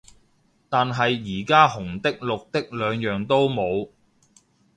但係而家紅的綠的兩樣都冇